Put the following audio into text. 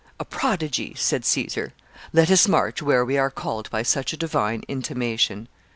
a prodigy!" said Caesar. "Let us march where we are called by such a divine intimation.